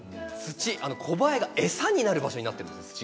コバエの餌になる場所になっているんです。